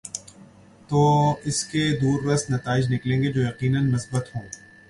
تو اس کے دوررس نتائج نکلیں گے جو یقینا مثبت ہوں۔